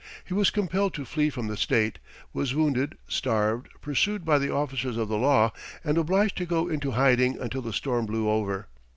He was compelled to flee from the State, was wounded, starved, pursued by the officers of the law, and obliged to go into hiding until the storm blew over.